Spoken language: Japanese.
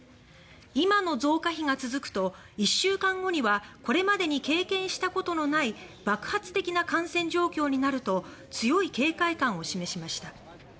今の増加比が続くと１週間後にはこれまでに経験したことのない爆発的な感染状況になると強い警戒感を示しました。